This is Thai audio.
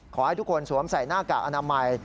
ขอให้ทุกคนสวมใส่หน้ากากอนามัย